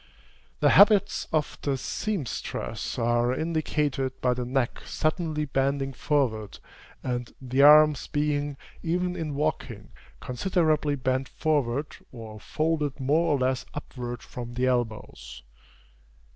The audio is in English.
The habits of the seamstress are indicated by the neck suddenly bending forward, and the arms being, even in walking, considerably bent forward or folded more or less upward from the elbows.